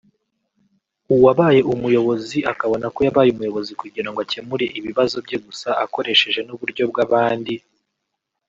uwabaye umuyobozi akabona ko yabaye umuyobozi kugira ngo akemure ibibazo bye gusa akoresheje n’uburyo bw’abandi